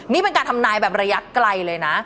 นี่เป็นการทำนายแบบระยะไกลเลยนะ